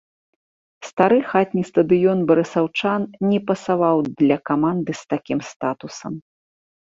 Стары хатні стадыён барысаўчан не пасаваў для каманды з такім статусам.